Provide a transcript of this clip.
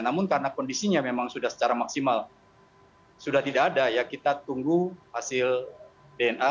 namun karena kondisinya memang sudah secara maksimal sudah tidak ada ya kita tunggu hasil dna